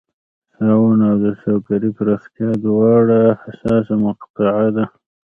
طاعون او د سوداګرۍ پراختیا دواړه حساسه مقطعه وه.